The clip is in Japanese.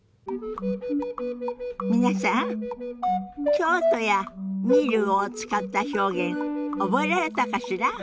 皆さん「京都」や「見る」を使った表現覚えられたかしら。